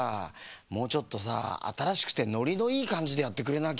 もうちょっとさあたらしくてノリのいいかんじでやってくれなきゃ。